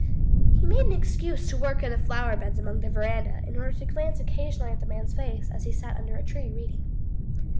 He made an excuse to work in the flower beds along the veranda, in order to glance occasionally at the man's face, as he sat under a tree reading.